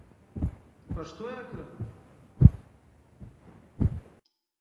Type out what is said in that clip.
He was executed after the battle of Caseros.